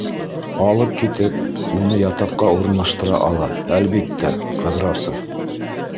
Алып китеп, уны ятаҡҡа урынлаштыра ала, әлбиттә, Ҡыҙрасов.